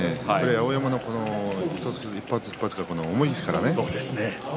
碧山の一発一発が重いですからね。